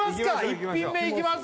１品目いきます